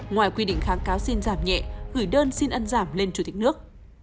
ngoài quy định kháng cáo xin giảm nhẹ gửi đơn xin ăn giảm lên chủ tịch nước